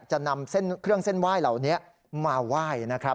จะนำเส้นเครื่องเส้นไหว้เหล่านี้มาไหว้นะครับ